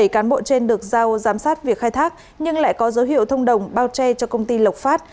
bảy cán bộ trên được giao giám sát việc khai thác nhưng lại có dấu hiệu thông đồng bao che cho công ty lộc phát